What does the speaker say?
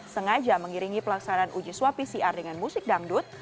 sengaja mengiringi pelaksanaan uji swab pcr dengan musik dangdut